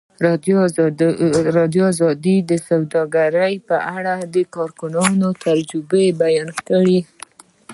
ازادي راډیو د سوداګري په اړه د کارګرانو تجربې بیان کړي.